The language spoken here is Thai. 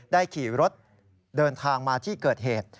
ขี่รถเดินทางมาที่เกิดเหตุ